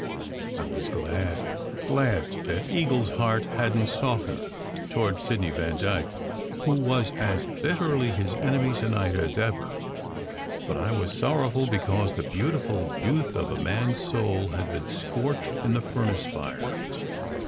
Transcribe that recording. I was glad glad, that Eagle s heart hadn t 284 SECRET HISTORY softened toward Sidney Vandyke, who was as bitterly his enemy to night as ever; but I was sorrowful because the beautiful youth of a man s soul had been scorched in the furnace fire.